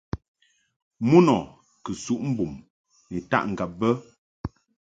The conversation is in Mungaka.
Mun ɔ kɨ suʼ mbum ni taʼ ŋgab be.